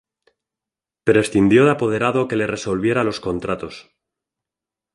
Prescindió de apoderado que le resolviera los contratos.